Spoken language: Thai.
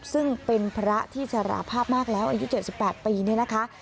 ซึ่งเป็นพระที่สารภาพมากแล้วอายุ๗๘ปีเนี่ยนะคะ